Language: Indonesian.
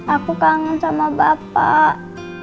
aku kangen sama bapak